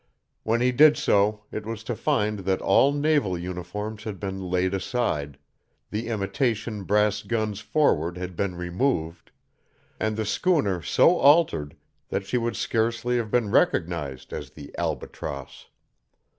When he did so it was to find that all naval uniforms had been laid aside, the imitation brass guns forward had been removed, and the schooner so altered that she would scarcely have been recognized as the Albatross.